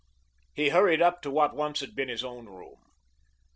He hurried up to what once had been his own room.